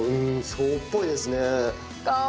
そうっぽいですね。